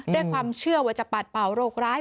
ด้วยความเชื่อว่าจะปัดเป่าโรคร้าย